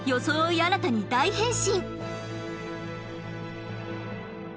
新たに大変身！